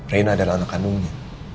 reina adalah anak kandungnya